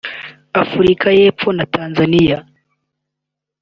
Afurika y’Epfo na Tanzania